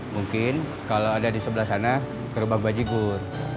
mungkin kalau ada di sebelah sana kerubang baji gur